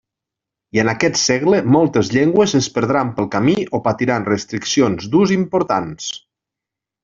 I en aquest segle moltes llengües es perdran pel camí o patiran restriccions d'ús importants.